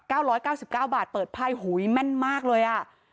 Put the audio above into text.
ร้อยเก้าสิบเก้าบาทเปิดไพ่หุยแม่นมากเลยอ่ะ